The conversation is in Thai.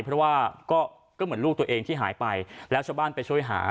เพราะว่าก็เหมือนลูกตัวเองที่หายไปแล้วชาวบ้านไปช่วยหา